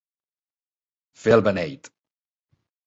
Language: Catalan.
Fer el beneit.